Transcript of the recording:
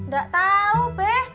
gak tau beh